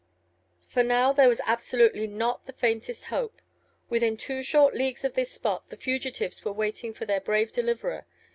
For now there was absolutely not the faintest hope. Within two short leagues of this spot, the fugitives were waiting for their brave deliverer.